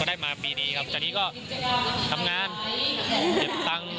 ได้มาปีนี้ครับจากนี้ก็ทำงานเก็บตังค์